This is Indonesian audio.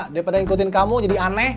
daripada ngikutin kamu jadi aneh